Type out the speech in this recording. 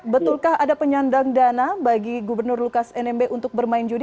betulkah ada penyandang dana bagi gubernur lukas nmb untuk bermain judi